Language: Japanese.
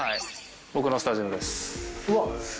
僕のスタジオです。